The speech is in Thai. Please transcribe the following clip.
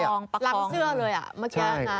ลักเสื้อเลยเมื่อกี้ล่ะนะ